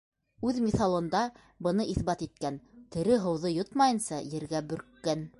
Үҙ миҫалында быны иҫбат иткән: тере һыуҙы йотмайынса, ергә бөрккән.